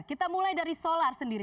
kita mulai dari solar sendiri